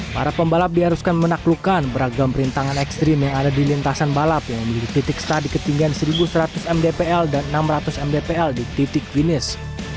para pembalap diharuskan menaklukkan beragam rintangan ekstrim yang ada di lintasan balap yang memiliki titik star di ketinggian satu seratus mdpl dan enam ratus mdpl di titik finish